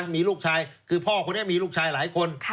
มีลูกชายคือพ่อคนนี้มีลูกชายหลายคน